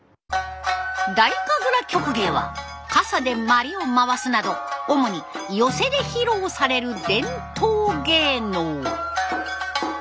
太神楽曲芸は傘で鞠を回すなど主に寄席で披露される伝統芸能。